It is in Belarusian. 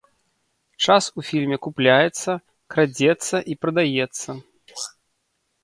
Час у фільме купляецца, крадзецца і прадаецца.